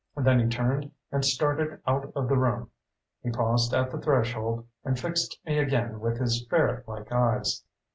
Then he turned and started out of the room. He paused at the threshold and fixed me again with his ferretlike eyes.